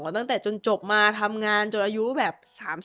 ตั้งแต่จนจบมาทำงานจนอายุแบบ๓๐